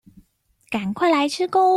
趕快來吃鉤